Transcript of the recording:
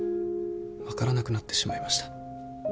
分からなくなってしまいました。